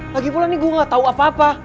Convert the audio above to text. lagipula nih gue gak tau apa apa